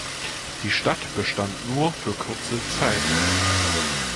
Die Stadt bestand nur für kurze Zeit.